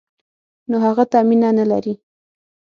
نو هغه ته مینه نه لري.